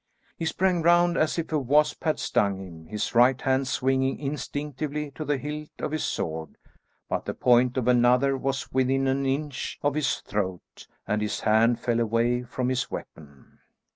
He sprang round as if a wasp had stung him, his right hand swinging instinctively to the hilt of his sword, but the point of another was within an inch of his throat, and his hand fell away from his weapon.